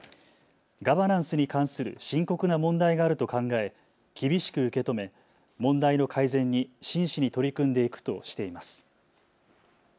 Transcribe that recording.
ガバナンスに関する深刻な問題があると考え厳しく受け止め問題の改善に真摯に取り組んでいくとしています。